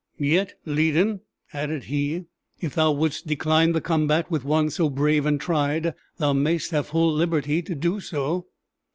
"Yet, Lydon," added he, "if thou wouldst decline the combat with one so brave and tried, thou mayst have full liberty to do so.